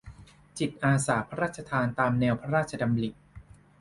จิตอาสาพระราชทานตามแนวพระราชดำริ